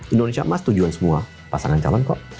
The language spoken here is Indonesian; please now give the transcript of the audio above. dua ribu empat puluh lima indonesia emas tujuan semua pasangan calon kok